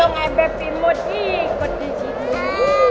nge bep imut ikut disini